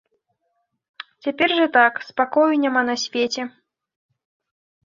Цяпер жа так, спакою няма на свеце.